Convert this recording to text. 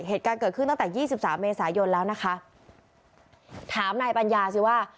เหตุการณ์เกิดขึ้นตั้งแต่ยี่สิบสามเมษายนแล้วนะคะถามนายปัญญาสิว่า